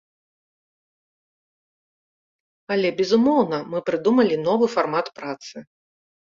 Але, безумоўна, мы прыдумалі новы фармат працы.